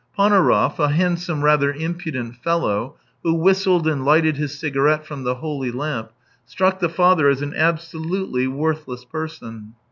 Panaurov, a handsome, rather impudent fellow, who whistled and lighted his cigarette from the holy lamp, struck the father as an absolutely worthless person.